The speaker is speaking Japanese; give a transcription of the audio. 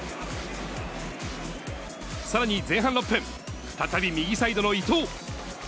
さらに前半６分、再び右サイドの伊東。